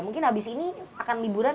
mungkin habis ini akan liburan